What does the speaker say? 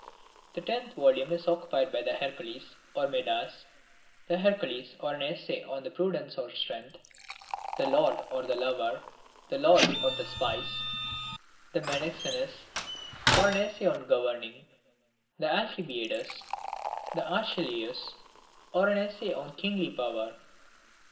The tenth volume is occupied by the Heracles, or Medas ; the Hercules, or an Essay on Prudence or Strength ; the Lord or the Lover ; the Lord or the Spies ; the Menexenus, or an essay on Governing ; the Alcibiades ; the Archelaus, or an essay on Kingly Power.